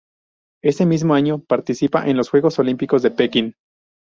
Ese mismo año participa en los Juegos Olímpicos de Pekín.